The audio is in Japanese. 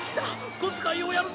小遣いをやるぞ！